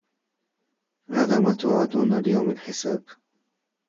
هَذَا مَا تُوعَدُونَ لِيَوْمِ الْحِسَابِ